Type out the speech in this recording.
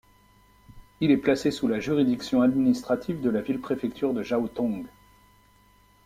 Il est placé sous la juridiction administrative de la ville-préfecture de Zhaotong.